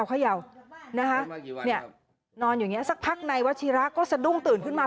นอนอยู่อย่างนี้สักพักในวัชฌีระก็สะดุ้งตื่นขึ้นมา